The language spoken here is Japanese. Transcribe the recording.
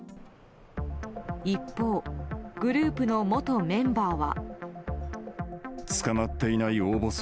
一方、グループの元メンバーは。